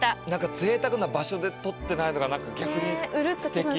ぜいたくな場所で撮ってないのが何か逆にすてき。